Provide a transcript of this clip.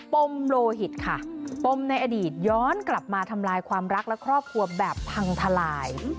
ปมโลหิตค่ะปมในอดีตย้อนกลับมาทำลายความรักและครอบครัวแบบพังทลาย